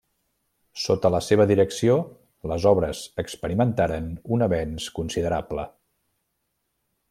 Sota la seva direcció les obres experimentaren un avenç considerable.